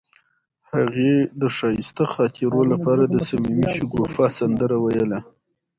هغې د ښایسته خاطرو لپاره د صمیمي شګوفه سندره ویله.